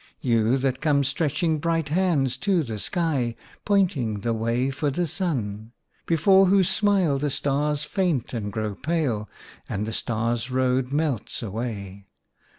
You, that come stretching bright hands to the sky, Pointing the way for the Sun ! Before whose smile the Stars faint and grow pale, And the Stars' Road melts away.